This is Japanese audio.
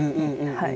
はい。